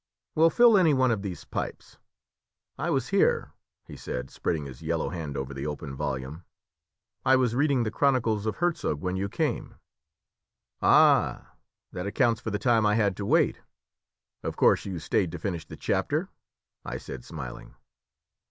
"Well, fill any one of these pipes. I was here," he said, spreading his yellow hand over the open volume. "I was reading the chronicles of Hertzog when you came." "Ah, that accounts for the time I had to wait! Of course you stayed to finish the chapter?" I said, smiling.